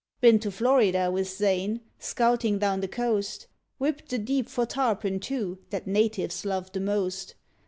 Been to Florida with Zane ... scouting down th' coast; Whipped the deep for Tarpon, too, that natives love th' most.